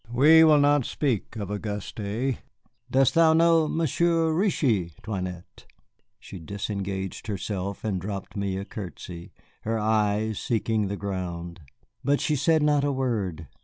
"We will not speak of Auguste. Dost thou know Monsieur Ritchie, 'Toinette?" She disengaged herself and dropped me a courtesy, her eyes seeking the ground. But she said not a word.